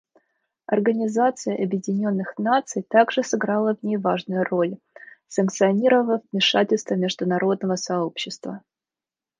Организация Объединенных Наций также сыграла в ней важную роль, санкционировав вмешательство международного сообщества.